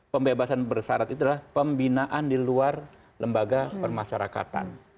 pembebasan bersarat itu adalah pembinaan di luar lembaga pemasyarakatan